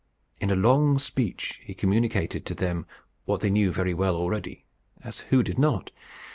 In a long speech he communicated to them what they knew very well already as who did not?